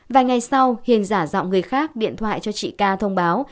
vài ngày sau hiền giả dọng người khác điện thoại cho chị ca thông báo